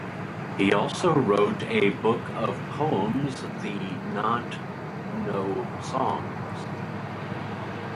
He also wrote a book of poems "The not - no Songs".